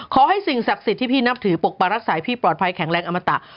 สิ่งศักดิ์สิทธิ์ที่พี่นับถือปกปักรักษาให้พี่ปลอดภัยแข็งแรงอมตะ